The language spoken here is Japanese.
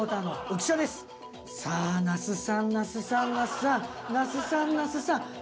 さあ那須さん那須さん那須さん那須さん那須さん。